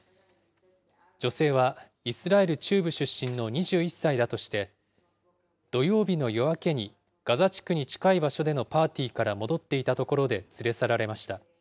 女性はイスラエル中部出身の２１歳だとして、土曜日の夜明けにガザ地区に近い場所でのパーティーから戻っていたところで連れ去られました。